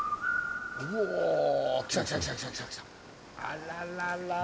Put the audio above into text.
あらららら。